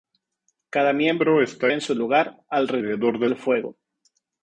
Cada miembro está en su lugar, alrededor del fuego.